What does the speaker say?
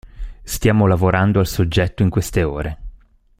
Stiamo lavorando al soggetto in queste ore.